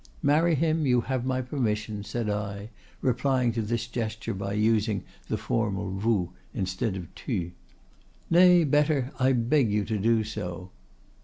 —'Marry him, you have my permission,' said I, replying to this gesture by using the formal vous instead of tu. 'Nay, better, I beg you to do so.